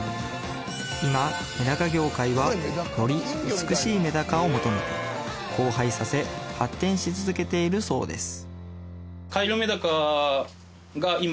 今めだか業界はより美しいめだかを求めて交配させ発展し続けているそうです